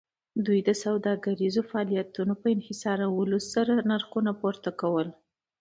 دوی د سوداګریزو فعالیتونو په انحصارولو سره نرخونه پورته کول